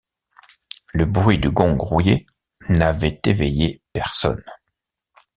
Le bruit du gond rouillé n’avait éveillé personne.